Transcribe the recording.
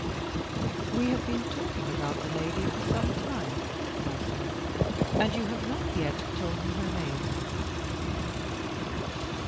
"We have been talking about the lady for some time," I said; "and you have not yet told me her name."